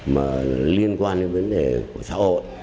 mà liên quan đến vấn đề của xã hội